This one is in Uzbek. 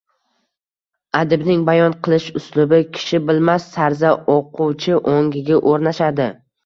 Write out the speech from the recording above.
Adibning bayon qilish uslubi kishi bilmas tarzda o‘quvchi ongiga o‘rnashadi.